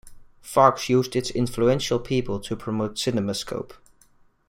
Fox used its influential people to promote CinemaScope.